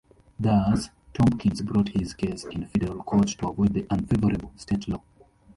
Thus, Tompkins brought his case in federal court to avoid the unfavorable state law.